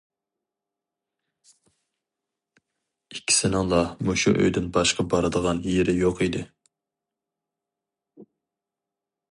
ئىككىسىنىڭلا مۇشۇ ئۆيدىن باشقا بارىدىغان يېرى يوق ئىدى.